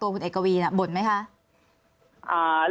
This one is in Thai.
คุณเอกวีสนิทกับเจ้าแม็กซ์แค่ไหนคะ